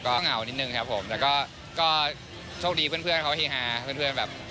ก็เหงานิดนึงครับผมแต่ก็โชคดีเพื่อนเขาเฮฮาเพื่อนแบบ